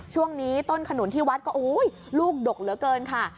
ช่วงนี้ต้นขนุนที่วัดก็ลูกดกเหลือเกินค่ะ